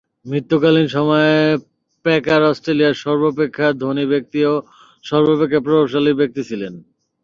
মৃত্যুকালীন সময়ে প্যাকার অস্ট্রেলিয়ার সর্বাপেক্ষা ধনী ব্যক্তি ও সর্বাপেক্ষা প্রভাবশালী ব্যক্তি ছিলেন।